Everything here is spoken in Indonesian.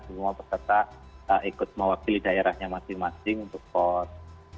semua peserta ikut mewakili daerahnya masing masing untuk pos